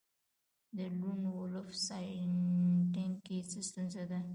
د لون وولف ساینتیک کې څه ستونزه ده